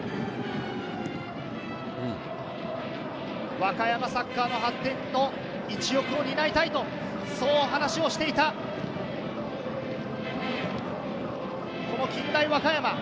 和歌山サッカーの発展の一翼を担いたいと、そう話していた、近大和歌山。